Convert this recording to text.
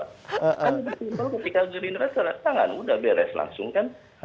kan lebih simpel ketika gerindra ada tanda tangan udah beres langsung kan